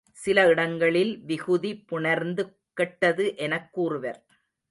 சில இடங்களில் விகுதி புணர்ந்து கெட்டது எனக் கூறுவர்.